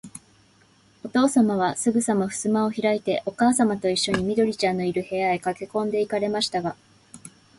おとうさまは、すぐさまふすまをひらいて、おかあさまといっしょに、緑ちゃんのいる、部屋へかけこんで行かれましたが、